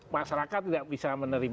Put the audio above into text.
masyarakat tidak bisa menerima